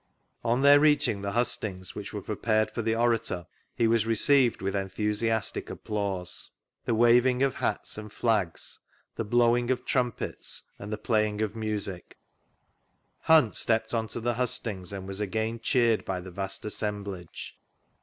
On their reaching the hustings which w«re prepared for the orator, he was received with enthusiastic api^ause ; the waving of hats and flags ; the blow ing of trimipets; and the playing of music. Hunt stepped on to the hustings, and was again cheeittd by the vast assemblage.